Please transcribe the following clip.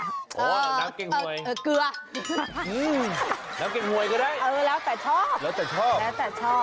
น้ำเกงหวยเออเกลืออืมน้ำเกงหวยก็ได้แล้วแต่ชอบแล้วแต่ชอบ